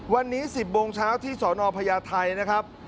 วันนี้๑๐โมงเช้าที่สนพญาไทยนะครับ